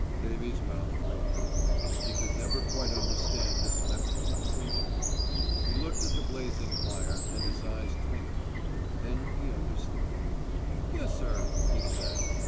Davies' mouth wavered. He could never quite understand this method of procedure. He looked at the blazing fire, and his eyes twinkled. Then he understood. "Yes, sir," he said.